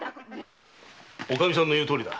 おかみさんの言うとおりだ。